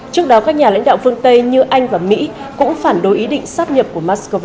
trước đó các nhà lãnh đạo phương tây như anh và mỹ cũng phản đối ý định sáp nhập của moscow